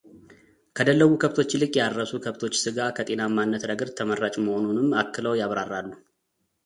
ከደለቡ ከብቶች ይልቅ ያረሱ ከብቶች ሥጋ ከጤናማነት ረገድ ተመራጭ መሆኑንም አክለው ያብራራሉ።